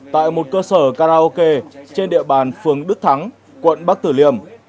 tại một cơ sở karaoke trên địa bàn phường đức thắng quận bắc tử liêm